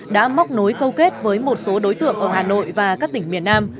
đã móc nối câu kết với một số đối tượng ở hà nội và các tỉnh miền nam